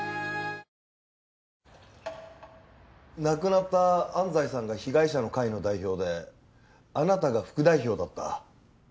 亡くなった安西さんが被害者の会の代表であなたが副代表だった。